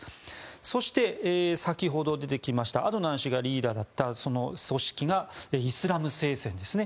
そして、先ほど出てきましたアドナン氏がリーダーだったその組織がイスラム聖戦ですね。